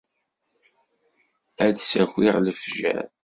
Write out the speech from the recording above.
Ad d-ssakiɣ lefjer!